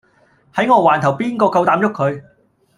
喺我環頭邊個夠膽喐佢